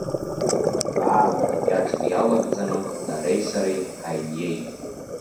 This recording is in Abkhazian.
Аамҭа кьаҿк иалагӡаны дареи сареи ҳаиниеит.